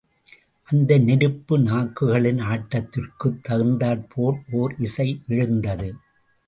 அந்த நெருப்பு நாக்குகளின் ஆட்டத்திற்குத் தகுந்தாற்போல் ஓர் இசை யெழுந்தது.